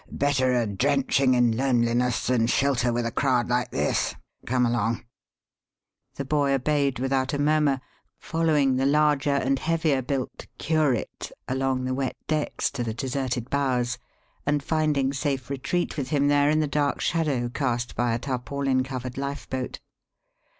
Better a drenching in loneliness than shelter with a crowd like this. Come along!" The boy obeyed without a murmur, following the larger and heavier built "curate" along the wet decks to the deserted bows, and finding safe retreat with him there in the dark shadow cast by a tarpaulin covered lifeboat.